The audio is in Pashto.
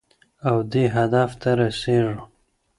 او دې هدف ته رسېږو.